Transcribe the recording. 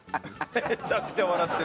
めちゃくちゃ笑ってる。